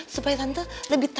supaya tante lebih terima